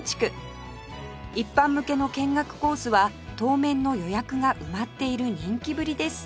一般向けの見学コースは当面の予約が埋まっている人気ぶりです